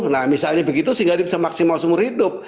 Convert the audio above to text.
nah misalnya begitu sehingga dia bisa maksimal seumur hidup